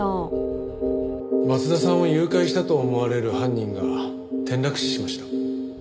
松田さんを誘拐したと思われる犯人が転落死しました。